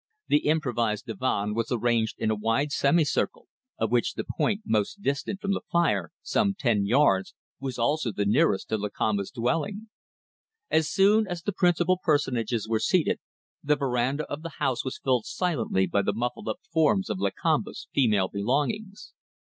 The improvised divan was arranged in a wide semi circle, of which the point most distant from the fire some ten yards was also the nearest to Lakamba's dwelling. As soon as the principal personages were seated, the verandah of the house was filled silently by the muffled up forms of Lakamba's female belongings.